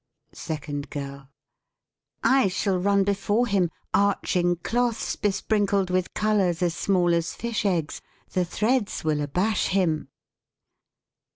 SECOND GIRL I shall run before him. Arching cloths besprinkled with colors As small as fish eggs. The threads Will abash him.